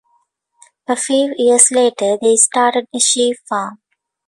A few years later they started a sheep farm.